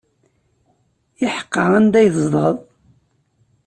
Iḥeqqa, anda i tzedɣeḍ?